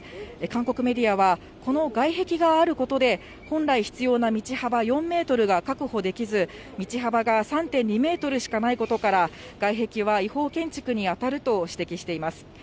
韓国メディアは、この外壁があることで、本来必要な道幅４メートルが確保できず、道幅が３．２メートルしかないことから、外壁は違法建築に当たると指摘しています。